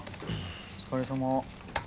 お疲れさま。